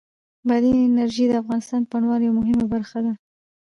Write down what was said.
بادي انرژي د افغانستان د بڼوالۍ یوه مهمه برخه ده.Shutterstock